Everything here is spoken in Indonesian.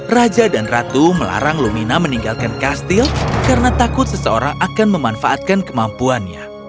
raja dan ratu melarang lumina meninggalkan kastil karena takut seseorang akan memanfaatkan kemampuannya